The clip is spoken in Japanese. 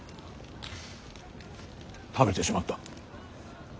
食べてしまった。